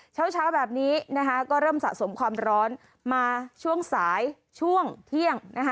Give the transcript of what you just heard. เช้าแบบนี้นะคะก็เริ่มสะสมความร้อนมาช่วงสายช่วงเที่ยง